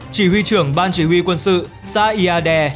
chỉ huy trưởng ban chỉ huy quân sự xã iae